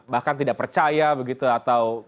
bahkan tidak percaya begitu atau